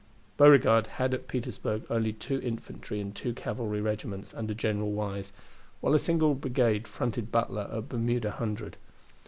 Beauregard had at Petersburg only two infantry and two cavalry regiments under General Wise, while a single brigade fronted Butler at Bermuda Hundred.